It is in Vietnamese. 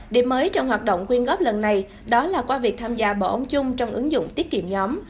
điểm mới trong hoạt động quyên góp lần này đó là qua việc tham gia bầu ống chung trong ứng dụng tiết kiệm nhóm